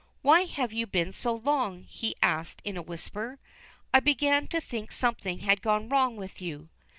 "Why have you been so long?" he asked in a whisper. "I began to think something had gone wrong with you."